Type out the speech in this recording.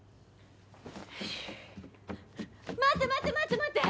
待って待って待って！